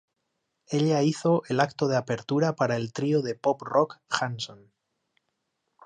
Ella hizo el acto de apertura para el trío de pop-rock Hanson.